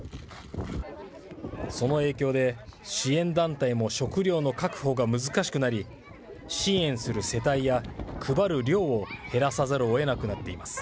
その影響で、支援団体も食料の確保が難しくなり、支援する世帯や配る量を減らさざるをえなくなっています。